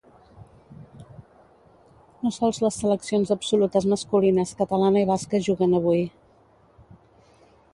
No sols les seleccions absolutes masculines catalana i basca juguen avui.